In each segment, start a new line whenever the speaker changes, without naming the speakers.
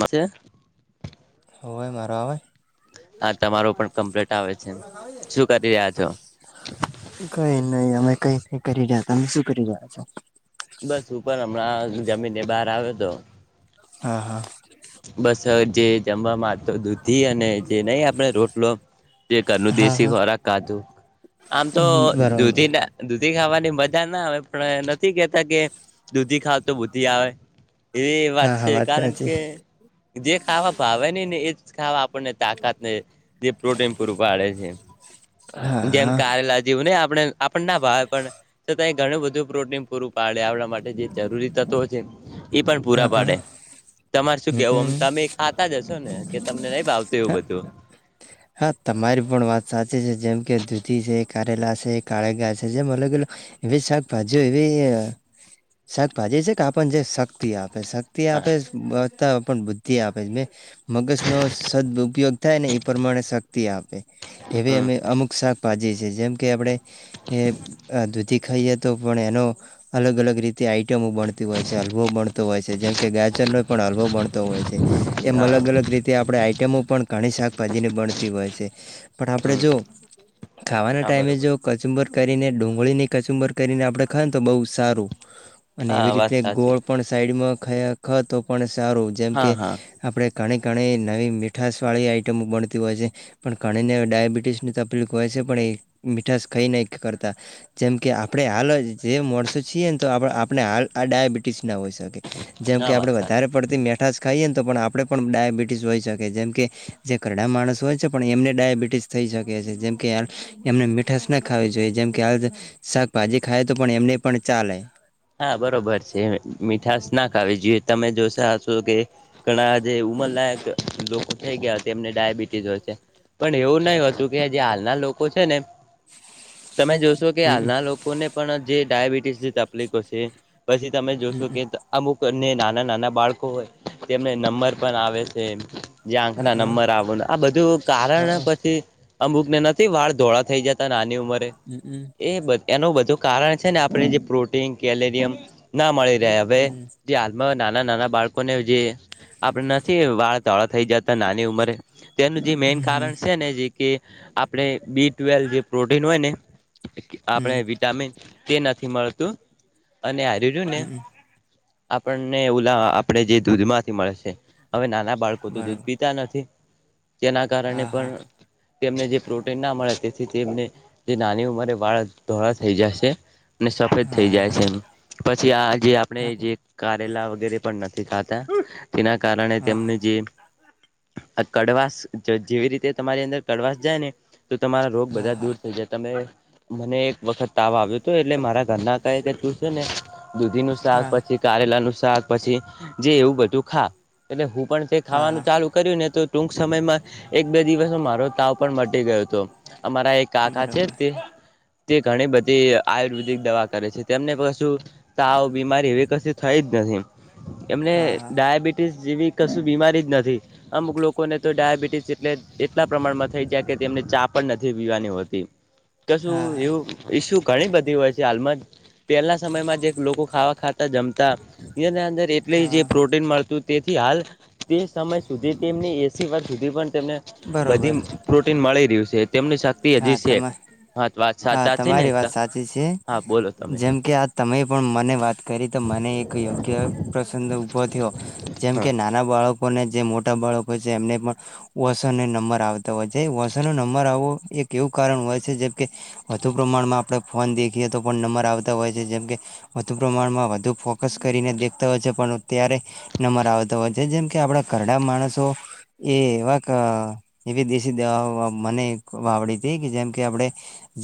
ભલે.
હોવાને મારા વાર.
હા તમારું પણ કમ્પ્લીટ આવે છે, શું કરી રહ્યા છો.
કંઈ નહી અમે કંઈ નઈ કરી રહ્યા હતા, અમે શું કરી રહ્યા છે.
બસ ઉપર હમણાં જમીન ને બહાર આવ્યો તો,
હા. હા,
બસ જે જમવામાં તો દૂધી અને જે નહી આપણે રોટલો જે કર
હા
દેશી
હા
ખોરાક કીધું. આમ તો
બરોબર
દુધી. દૂધી ખાવાની મજા ના આવે પણ નથી, કેતા કે દૂધી ખાવ તો બુધી આવે. એવી વાત
હા હા
છે, કારણ
સાચી
કે. જે ખાવા ભાવે નહી ને એજ ખાવા આપણને તાકાતને જે પ્રોટીન પૂરું પાડે છે. જેમ
હા
કારેલા જેવું ને આપણે આપણ ના ભાવ પણ છતાંય ઘણું બધું પ્રોટીન પૂરું પાડે આપણા માટે જે જરૂરી તત્વો છે એ પણ પૂરા
હા
પાડે. તમારે શું કેવું અમ
હમ
તમે ખાતા જશો ને કે તમને નહી ભાવતું એવું બધું.
હા તમારી પણ વાત સાચી. છે જેમ કે દૂધી છે કારેલા છે કાળેગા છે જેમ અલગ અલ એવી શાકભાજીઓ એવી અ. શાકભાજી છે કે આપન જે શક્તિ આપે શક્તિ
હા
આપે બત. પણ બુદ્ધિ આપે મગજનો સદ ઉપયોગ થાય ને એ પ્રમાણે શક્તિ આપે. એવી
હમ
અમે અમુક શાક ભાજી છે જેમ કે આપણે એ અ દૂધી ખાઈએ તો પણ એનો અલગ અલગ રીતે. આઈટમો બણતી હોય છે હલ્વો બ નતો હોય છે જેમ કે ગાજરનો પણ હલવો બણતો હોય છે એમ
હા
અલગ અલગ રીતે આપડે આઈટમો. પણ ઘાણી શાકભાજી ની બણતી હોય છે. પણ આપડે
હમ
જો ખાવાના
હા
ટાઈમે
બરોબર
જો કચુંબર. કરીને ડુંગળીની કચુંબર કરીને આપડે ખાય ને તો બહુ સારું અને
હા
એવી
વાત
રીતે
સાચી
ગોળ પણ. ઈડ માં ખાયા ખ તો પણ સારું જેમ
હા
કે
હા
આપણે. ઘણી ઘણી નવી મીઠશવાળી આઇટમો બણતી હોય છે પણ ઘણીને ડાયાબિટીસની તકલીફ હોય છે. જ પણ એ મીઠાશ ખાઈ નહી કરતા જેમ કે આપણે હાલ જ જે મળસો છીએ ને તો આપણા. આપણે હાલ આ ડાયાબિટીસ ના હોઈ શકે જેમ
હા
કે
વાત
આપણે વધારે
સાચી
પડતી મેઠાશ ખાઈએને તો પણ આપણે પણ ડાયાબિટીસ હોય શકે જેમ કે જે ઘરડા માણસ હોય છે પણ એમને ડાયાબિટીસ થઈ. શકે છે જેમ કે એમને મીઠાશ ના ખાવી જોઈએ જેમ કે હાલ શાકભાજી ખાય તો પણ એમને. પણ ચાલે.
હા બરોબર છે મીઠાશ ના ખાવી જોઈએ તમે જો તા હસો કે ઘણા જે ઉમરલાયક લોકો થઈ ગયા એમને ડાયાબિટીસ હોય છે. પણ એવું નહી હોતું કે જે હાલના લોકો છે ને.
[inaudible]
તમે જોશો કે
હમ
હાલના લોકોને પણ જે ડાયાબિટીસની તકલીફો છે. પછી તમે જોશો
હમ
કે અમુક. ને નાના નાના બાળકો હોય તેમને નંબર પણ આવે છે. જે આંખ
અ
ના નંબર આવવાનું આ બધું કારણ
અ
પછી. અમુક ને નથી વાળ ધોળા થઈ જતા નાની ઉંમરે
હમ
એ બધ એનું બધું કારણ છે ને આપણે જે પ્રોટીન કેલેરિયમ ના મળી રહે હવે
હમ
જે હાલમાં. નાના નાના બાળકોને જે આપડે નથી વાળ ધોળા થઈ જતા નાની ઉંમરે. તેનું જે મેન
હમ
કારણ છે ને જે કે આપણે બી ટ્વેલ જે પ્રોટીન હોય ને. આપણે
હમ
વિટામિન તે નથી મળતું. અને હારે રહ્યું ને.
હમ
આપણને ઓલા આપણે જે દૂધમાંથી મળે છે હવે નાના બાળકો તો દૂધ
બરોબર
પીતા નથી. તેના કારણે
હા હા
પણ. તેમને જે પ્રોટીન ના મળે તેથી તેમને જે નાની ઉંમરે વાળા ધોળા થઈ જાશે ને સફેદ થઈ
હા
જાય
હા
છે પછી આ જે આપણે
હા
જે કારેલા વગેરે પણ નથી ખાતા તેના કારણે
હા
તેમને જે આ કડવાસ જ જેવી રીતે તમારી અંદર કડવાસ જાય ને. તો તમારા રોગ બધા
હા
દૂર થઈ જાય તમે મને એક વખત તાવ આવ્યો હતો એટલે મારા ઘરના. કહે ને દૂધી નું શાક
હા
પછી કારેલા નુ શાક પછી જે એવું બધું ખા એટલે હું. પણ તે
હા હા
ખાવાનું
હા
ચાલુ કર્યું ને તો ટૂંક સમયમાં એક બે દિવસ મારો તાવ પણ મટી ગયો હતો. અમારા એક કાકા છે
બરોબર
તે તે ઘણી બધી આયુર્વેદિક દવા. કરે છે તેમને કશું તાવ બીમારી એવી કસી થઈ જ નથી. એમને
હા હા
ડાયાબિટીસ જેવી. કશું બીમારી જ નથી અમુક લોકોને તો ડાયાબિટીસ એટલે એટલા પ્રમાણમાં થઈ જાય કે તેમને ચા. પણ નથી પીવાની હોતી કશું
હા હા
એવું ઈસ્યુ ઘણી બધી હોય છે હાલમાં જ પહેલા સમયમાં જે લોકો ખાવા ખાતા જમતા એ અંદર એટલે જે
હા
પ્રોટીન મળતું. તેથી હાલ તે સમય સુધી તેમને એસીવર સુધી પણ, ને બધી
બરોબર
પ્રોટીન મળી રહ્યું છે. તેમની શક્તિ હજી
હા
છે
તમા
હા વાત
હા
સાચા છે ને
તમારી વાત સાચી છે.
હા બોલો તમે
જેમ કે આ તમે પણ મને વાત કરી તો મને એક યોગ્ય પ્રસંગ ઉભો થ્યો. જેમ
હા
કે નાના બાળ ને જે મોટા બાળકો છે એમને પણ ઓસને નંબર આવતા હોય છે ઓશો નો નંબર આવવો એક એવું કારણ હોય છે જેમકે વધુ પ્રમાણમાં આપણે ફોન દેખીએ તો પણ નંબર આવતા હોય છે જેમ કે, વધુ પ્રમાણમાં વધુ ફોકસ કરીને દેખતા હોય છે પણત્યારે નંબર આવતા હોય છે જેમકે આ આપડા ઘરડા માણસો એ એવા એવી દેશી દવા મને, વાવડી હતી કે જેમ કે આપડે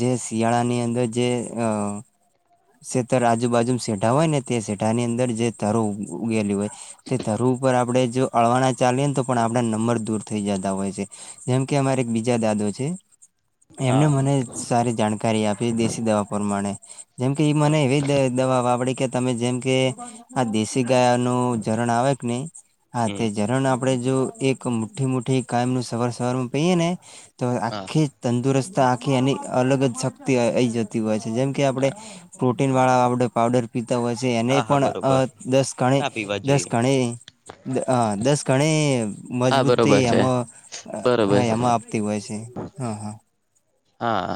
જે શિયાળા ની અંદર જે અ, શેતર આજુબાજુ સેઢા હોય ને તે સેઢા ની અંદર જે ધ રો ઉગેલી હોય તે ધરું ઉપર આપડે જો અળવાના ચાલીએ ને તો પણ આપણા નંબર દૂર થઈ જતા હોય છે જેમ કે અમારે એક બીજા દાદો છે.
હા
એમને મને સારી જાણકારી આપી દેશી દવા પરમાણે જેમકે
હા
મને એવી દવા વાવડી કે તમે જેમ કે આ દેશી ગાય નું ઝરણ આવે કે નહી હા તે
હમ
ઝરણ આપ આપણે જો એક મુઠ્ઠી મોઠી કાયમનું સવાર સવારમાં પહીએ ને તો આ
હા
આખી જ તંદુરસ્ત આખી એની અલગ જ શક્તિ આઈ જતી હોય છે જેમ કે આપણે પ્રો પ્રન વાળાડ પાવડર પીતા હોય છે એને
હા હા
પણ
બરોબર
દસ ગણે
ના પીવા
દસ
જોઈએ.
ગણે. દસ ઘણે.
હા
મજબૂતી
બરોબર છે
એમાં
બરોબર
હા
છે.
એમાં આપતી હોય છે હા હા.
હા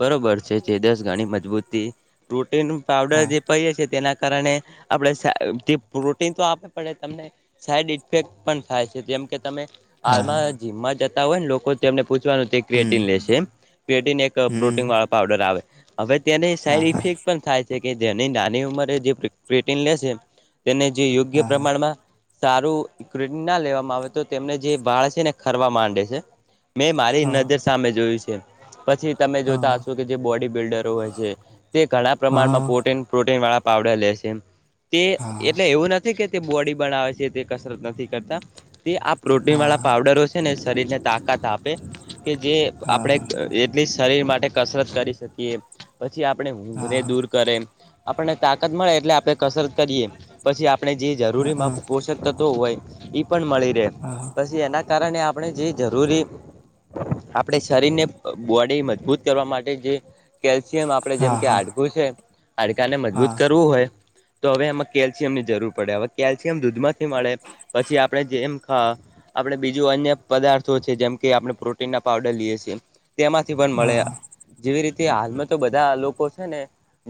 બરોબર છે જેદસ ગણી મજબૂતી ટૂ. પાવડર
હા
જે પઈએ છ છે તેના. કારણે આપણે પ્રોટીન તો આપે પડે તમને સાઈડ ઇફેક્ટ પણ થાય છે. તમે
હા
આાલ જીમમાં જતા હોય ને લોકો તેમને પૂછવાનું તે ક્રટીન
હમ
લેશે. પેન એક
હમ
પ્રોટીન વાળા પાવડર આવે હવે તેને
હા
સાઈડ
હા
ઇફેક્ટ પણ થાય છે. કે જેની નાની ઉંમરે જે પ્રોટીન લેશે તેને જે યોગ્ય
હા
પ્રમાણમાં. સારું ઈક્વિટી ના લેવામાં આવે તો તેમને જે ભાળ છે ને ખરવા માંડે છે. મેં મારી
હા
નજર સામે જોઈશ. પછી તમે જોતા
હા
હશો કે જે બોડી બિલ્ડરો હોય છે તે ઘણા પ્રમાણમાં પ્રોટીન પ્રોટીન વાળા. પાવડા લેશે તે
હા
એટલે એવું નથી કે. બોડી બનાવે છે તે કસરત નથી કરતા તે આ પ્રોટીન વાળા
હા
પાવડરો છે ને શરીરના. તાકાત આપે કે જે
હા
આપણે
હા
એટલીસ્ટ. શરીર માટે કસરત કરી શકીએ પછી આપણે ઊઘને
હા
દૂર કરે. આપણને તાકત મળે એટલે આપણે કસરત કરીએ પછી આપણે જે
હા હા હા
જરૂરી
હા
પોષક તત્વો હોય. એ પણ મળી રહે પછી એના કારણે આપણે જે જરૂરી આપણે. શરીરને બોડી મજબૂત કરવા માટે જે. કેલ્શિયમ આપડણે જેમકે હાડકું છે હાડકાને મજબૂત
હા
કરવું હોય. તો હવે એમાં કેલ્શિયમ ની જરૂર પડે હવે કેલ્શિયમ દૂધમાંથી મળે પછી આપણે જેમ ખા. આપણે બીજું અન્ય પદાર્થો છે જેમ કે આપણે પ્રોટીન ના પાવડર લઈએ છીએ. તેમાંથી પણ મળે
હા
જેવી રીતે હ. એમાં તો બધા લોકો છે ને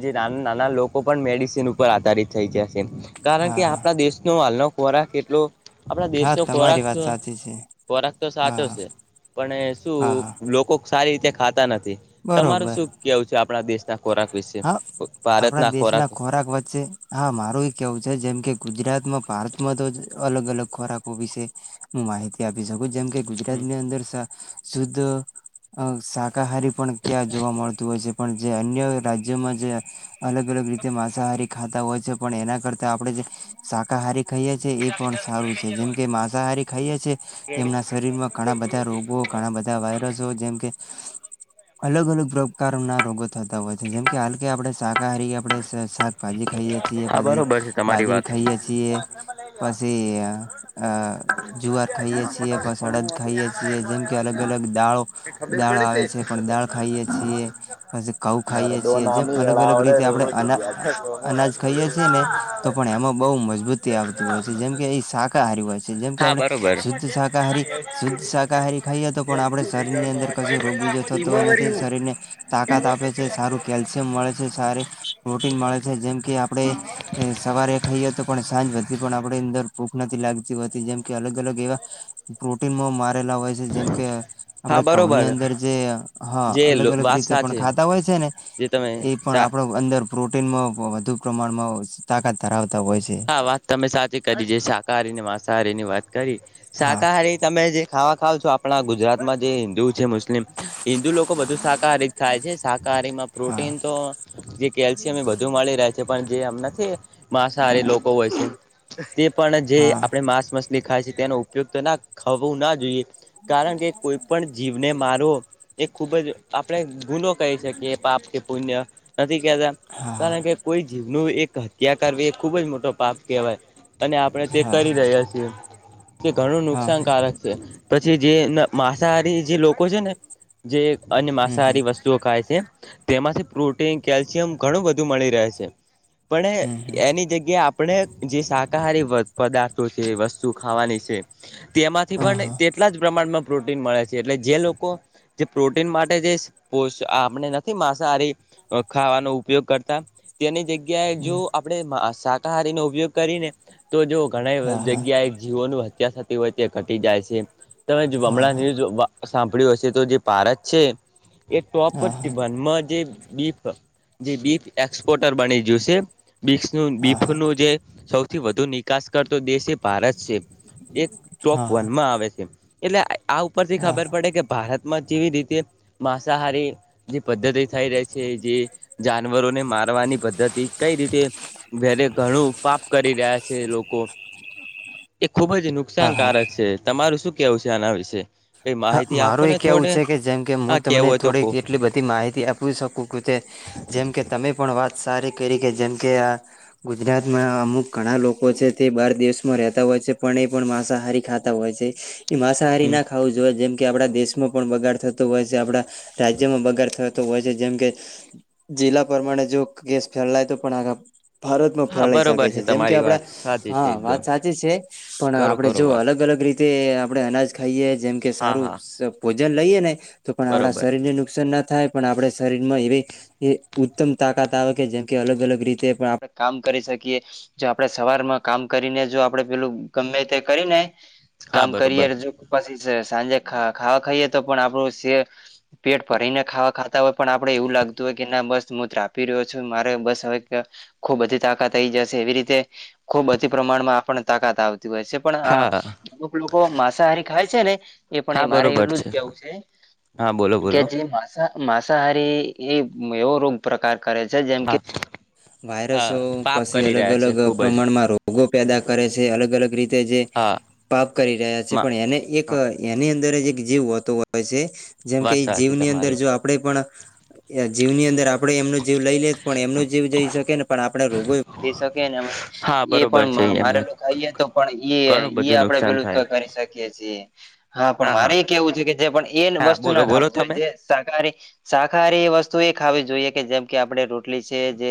જે નાના નાના લોકો પણ મેડિસિન ઉપર આધારિત થઈ જાય. કારણ કે
હા
આપણા દેશનો હાલનો ખોરાક કેટલો. આપણા
હા
દેશનોો ખોરાક
તમારી વાત સાચી છે
ખોરાક તો
હા
સાચો છે પણ
હા
શું
હા
લોકો સારી રીતે ખાતા નથી તમાર
બરોબર
શું કેવું છે આપણા દેશના પશે
આપડા દેશ ના ખોરાક વચ્ચે હા મારું એ કેવું છે જેમ કે ગુજરાતમાં પાર મ તો જ અલગ અલગ ખોરાકો વિશે હું માહિતી આપી શકું જેમ કે
હમ
ગુજરાતની અંદર શ શુદ્ધ અ શાકાહારી પણ ત્યાં જોવા મળતું હોય છે પણ જે અન્ય રાજ જ્યમાં જેમાં જે અલગ અલગ રીતે માંસાહારી ખાતા હોય છે પણ એના કરતા આપડે જે શાકાહારી ખાઈએ છે એ પણ સારું છે જેમકે માંસાહારી ખાઈએ છે એમના શરીરમાં ઘણા બધા રોગો, ઘણા બધા વાયરસો જેમ કે અલગ અલગ પ્રકારના રોગો થતા હોય છે જેમ કે હાલ કે આપડે શાકાહારી આપડે શા ભાજી ખાઈએે છીએ,
હા
પછી
બરોબર છે તમારી
બાજરી
વાત
ખાઈએે છીએ પછી અ જુવાર ખાઈએ છીએ પછ અડદ ખાઈએ છીએ જેમ કે અલગ અલગ દાળો
ખબર
દાળ
પડે
આવે છે પણ દાળ ખાઈએ છીએ પછી ઘંઉ ખાઈએ
મરદો
છીએ જેમ
નામી
અલગ અલગ
એળાવડે
રીતે આપડે
રોજ
અના અનાજ ખાઈએ છે ને તો પણ એમાં બોઉ મજબૂતી આવતી હોય છે જેમ કે એ શાકાહારી હોય. જેમ
હા
આપણે
બરોબર
શુદ્ધ શાકાહારી શુદ્ધ શાકાહારી ખાઈએ તો પણ આપડે શરીરની અંદર કશું રોગ બીજો થતો હોય
ઈમાં વરી
એનાથી
હું
શરીરને તાકાત આપે છે સારું કેલ્શિયમ મળે છે, સારી પ્રોટીન મળે છે જેમ કે આપડે સવારે ખાઈએ તો પણ સા વતી પણ આપડી અંદર ભૂખ નથી લાગતી હોતી જેમ અલગ અલગ એવા પ્રોટીનમાં મારેલા હોય છે જેમ કે આપડે
હા
કઉની
બરોબર
અંદર જે હા,
જે
અલગ અલગ
વાત
રીતે પણ
સાચી
ખાતા હોય છેને
જે તમે
એ પણ
સા
આપણો અંદર પ્રોટીનમાં વધુ પ્રમાણમાં તાકાત ધરાવ
હા, વાત તમે સાચી કરી છે શાકાહારીને માંસાહારીની વાત કરી
હા
શાકાહારી તમે જે ખાવા ખાવ છો આપડા ગુજરાતમાં જે હિન્દુ છે મુસ હિન્દુ લોકો બધુ શાકાહારી જ ખાય છે શાકાહારીમાં
હા
પ્રોટીન તો જે કેલ્શિયમ બધું મળી રહે છે પણ જે એમ નથી માંસાહારી લોકો હોય છે તે પણ જે
હા
આપડે માંસ મછલી ખાય છે તેનો ઉપયોક્તના ખવુંના જોઈએ કારણ કે કોઈ પણ જીવને મારો એ ખૂબ જ આપણે ગુનો કહી શકીએ એ પાપ કે પુણ્ય નથી
હા
કારણ કે કોઈ જીવનું એક હત્યા કરવી ખુબ જ મોટો પાપ કહેવાય અને આપણે તે
હા
કરી રહ્યા છીએ તે ઘણું
હા હા
નુકસાનકારક છે. પછી જે માંસાહારી જે લોકો છે ને જે અન્ય
હમ હમ
માંસાહારી વસ્તુઓ ખાય છે તેમાંથી પ્રોટીન કેલ્શિયમ ઘણું બધું મળી રહે છે પણ
હમ હમ
એની કે આપણે જે શાકાહારી પદાર્થો છે વસ્તુ ખાવાની છે તેમાંથી
હા
પણ
હા
તેટલા જ પ્રમાણમાં પ્રોટીન મળે છે એટલે જે લોકો જે પ્રોટીન માટે જે પો આપણે નથી માંસાહારી ખાવાનો ઉપયોગ કરતા. તેની જગ્યાએ જો
હમ
આપડે શાકાહારીનો ઉપયોગ કરીને તો જો ઘણા
હા હા
જગ્યાએ જીવોનું હત્યા થતી હોય તે ઘટી જાય છે તમે જો હમણાં
હા
ન્યૂઝ સાંભળ્યું હશે તો જે ભારત છે એ ટોપરટી
હા
ભનમાં જે બીફ જે બીફ એક્સપોર્ટર બની ગયું છે બીસ નું
હા હા
પેલું જે સૌથી વધુ નિકાસ કરતો દેશે ભારત છે એ ટોપ
હા હા
વનમાં આવે છે એટલે આ ઉપરથી
હા
ખબર
હા
પડે કે ભારતમાં જેવી રીતે માંસાહારી પદ્ધતિ થઈ રહી છે જે જાનવરોને મારવાની પદ્ધતિ કઈ રીતે વેરે ઘણું પાપ કરી રહ્યા છે લોકો એ ખુબ જ
હા
નુકસાનકારક છે તમારું શું કેવું છે આના વિશે? કઈ
હા
માહિતી આપો
મારું
ને
એક એવું
થોડે
છે કે જેમ કે હું
હા કેવું
તમને
હોય તો કો
થોડીક એટલી બધી માહિતી આપી શકું કે તે જેમ કે તમે પણ વાત સારી કરી કે જેમ કે આ ગુજરાતમાં અમુક ઘણા લોકો છે તે બાર દેશમાં રહેતા હો હોય છે પણ એ પણ માંસાહારી ખાતા હોય છે એ માંસાહારી
હમ
ના ખાવું જોઈએ જેમ કે આપડા દેશમાં પણ બગાડ થતો હોય છે આપડા રાજ્યમાં બગાડ થ હોય છે જેમ કે જિલ્લા પ્રમાણે જો કેસ ફેલાય તો પણ આગ. ભારતમાં
હા
ફેલાઈ શકે
બરોબર
છે જેમ કે
તમારી
આપડા
વાત સાચી
હા
છે
વાત
એકદમ
સાચી છે પણ
કરો
આપડે
કરો
જો
વાત
અલગ અલગ. અલગ રીતે. આપણે અનાજ ખાઈએ જેમ કે
હા
સારું
હા
ભોજન લઈએ ને તો પણ આપણા
બરોબર
શરીરને નુકસાન ના. થાય પણ આપડ શરીર માં એવી ઉત્તમ તાકાત આવે કે જેમકે અલગ અલગ રીતે આપ કામ. કરી શકીએ જો આપણે સવારમાં કામ કરીને જો આપે પેલું ગમે તે કરીને
હા
કામ કરીએ
બરોબર
જો પાછી સાંજે ખાવા ખાઈએ તો પણ આપડું સે પેટ ભરીને ખાવા ખાતા હોય પણ આપડે એવું લાગ લતું હોય કે ના બસ હું ત્રાપી રહ્યો છું મારે બસ હવે ખુબ બધી તાકાત થઈ જશે એવી રીતે ખુબ અતિ પ્રમાણમાં આપણને તાકાત આવતી હોય છે પણ આ
હા
અમુક લોકો માંસાહારી ખાય છે ને એ
હા
પણ મારે
બરોબર
એટલું જ કવું છે
હા બોલો
કે
બોલો
જે માસા માંસાહારી એ એવો રોગ પ્રકાર કરે છે જેમ કે
હા હા
વાયરસો
પાપ
પછી
કરી
અલગ
રહ્યા છે
અલગ
ખુબ જ
પ્રમાણમાં રોગો પેદા કરે છે અલગ અલગ રીતે જે
હા
પાપ કરી રહ્યા છે
માં
પણ એને એક
હ
એની અંદર જ એક જીવ હોતો હોય છે જેમકે
વાત
એ
સાચી
જીવની અંદર
તમારી
જો આપણેે પણ જીવની અંદર આપડે એમનો જીવ લઈ લેજ પણ એમનો જીવ જઈ શકે ને પણ આપડે રોગો વધી શકેને
હા
એ
બરોબર
પણ
છે
મારે
એમને
લોકો આાઈ તો પણ એ
ઘણું
ઈ
બધું
આપડે
નુકસાન
પેલું
થાય
કરી શકીએ છીએ હા પણ મારે એ કેવું છે કે જે પણ એ
હા
વસ્તુ
બોલો
ના ખાવ
બોલો
જોઈએ
તમે
જે સરકારી શાકાહારી વસ્તુ એ ખાવી જોઈએ કે જેમ કે આપણે રોટલી છે જે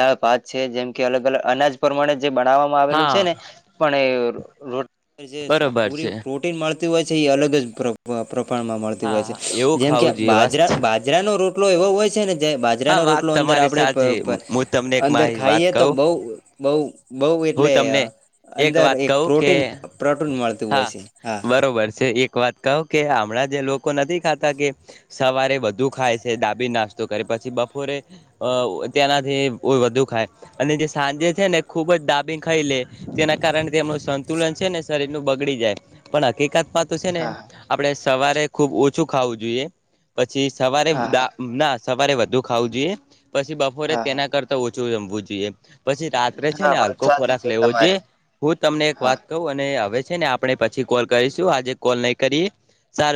દાળ ભાત છે જેમ કે અલગ અલગ અનાજ પ્રમાણે જ. જે બનાવામાં આવેલું છે
હા
ને પણ એ ર જે
બરોબર છે
પુરી. મળતી હોય છે એ અલગ જ પ્રમાણમાં મળતી હોય છે
હા એવું
જેમકે
ખાવું જોઈએ વાત
બાજરા બાજરાનો રોટ. એવો હોય છે ને.
હા
બાજરાનો
વાત
રોટલો અંદર
તમારી સાચી
આપડે
હું તમને એક
અંદર
મારી વાત
ખાઈએ તો
કહું
બઉ. બઉ બઉ
હું
એટલે
તમને
અંદર
વાત
એક
કહું કે
પ્રોટીન પ્રોટીન મળતું હોય
હા
છે. હા
બરોબર છે એક વાત કહો કે હમણાં જે લોકો નથી ખાતા કે સવારે બુ ખાય છે. ડાબી નાસ્તો કરે પછી બપોરે ત્યાંનાથી વધુ ખાય અને જે સાંજે. ને ખુબ જ ડા. ખ લે તેના કારણે તેમનું સંતુલન છે ને શરીર નું બગડી જાય પણ હકીકત પાત્ર. તો છે ને
હા
આપણેે સવારે ખુબ ઓછું ખાવું જોઈએ પછી સવારે
હા
ના. સવારે વધુ ખાવું જોઈએ પછી બપોરે
હા
તેના કરતા ઓછું જમવું જોઈએ. પછી રાત્રે છે
હા
ને
વાત
હલકો
સાચી
ખોરાક
છે
લેવો જોઈએ
તમારી
હું તમને એક
હા
વાત કું અને હવે. છે ને આપણે પછી કોલ કરીશું આજે કોલ નહી કરીએ સારું.